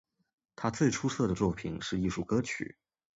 他最出色的作品是艺术歌曲。